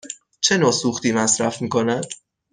چه نوع سوختی مصرف می کند؟